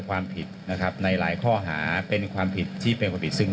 ความไม่สมบเกิดขึ้น